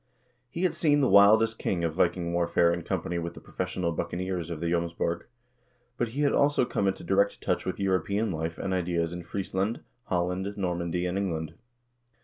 He had seen the wildest kind of Viking warfare in company with the professional buccaneers of the Jomsborg, but lie had also come into direct touch with European life and ideas in Friesland, Holland, Normandy, and England.